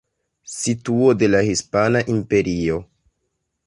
Situo de la Hispana Imperio.